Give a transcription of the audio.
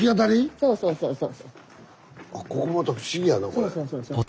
そうそうそうそう。